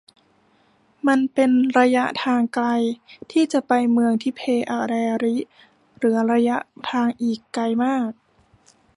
มันเป็นระยะทางไกลที่จะไปเมืองทิเพอะแรริเหลือระยะทางอีกไกลมาก